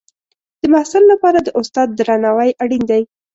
د محصل لپاره د استاد درناوی اړین دی.